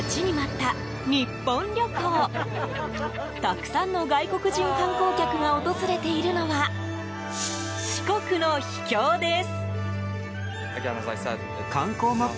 たくさんの外国人観光客が訪れているのは四国の秘境です。